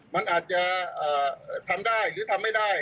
มันอาจจะทำได้หรือทำไม่ได้